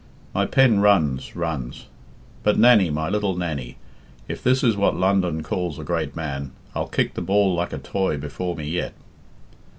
My pen runs, runs. But, Nannie, my little Nannie, if this is what London calls a great man, I'll kick the ball like a toy before me yet."